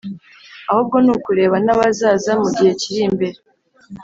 ahubwo ni ukureba n'abazaza mu gihe kiri mbere